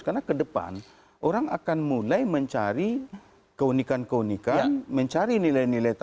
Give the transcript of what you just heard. karena ke depan orang akan mulai mencari keunikan keunikan mencari nilai nilai tampak